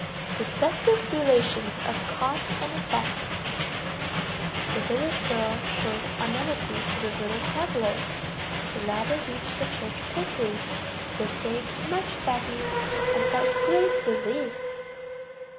Successive relations of cause and effect. The village girl showed amenity to the little traveler. The latter reached the church quickly, was saved much fatigue, and felt great relief.